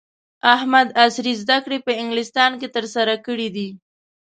احمد عصري زده کړې په انګلستان کې ترسره کړې دي.